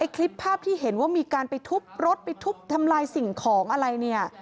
คลิปภาพที่เห็นว่ามีการไปทุบรถไปทุบทำลายสิ่งของอะไรเนี่ย